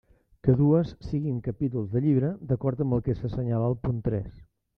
Que dues siguin capítols de llibre d'acord amb el que s'assenyala al punt tres.